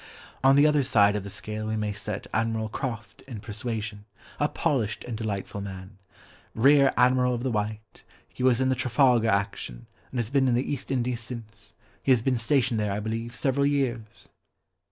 On the other side of the scale we may set Admiral Croft in Persuasion, a polished and delightful man, "rear admiral of the white. He was in the Trafalgar action, and has been in the East Indies since; he has been stationed there, I believe, several years."